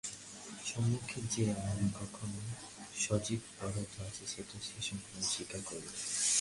সম্মুখে যে আর-কোনো সজীব পদার্থ আছে সেটা সে সম্পূর্ণই অস্বীকার করলে।